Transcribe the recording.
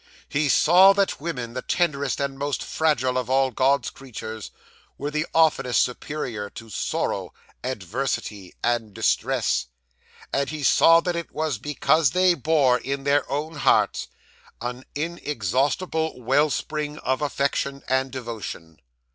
He saw that women, the tenderest and most fragile of all God's creatures, were the oftenest superior to sorrow, adversity, and distress; and he saw that it was because they bore, in their own hearts, an inexhaustible well spring of affection and devotion.